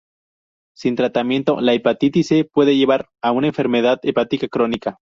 Sin tratamiento, la hepatitis C puede llevar a una enfermedad hepática crónica.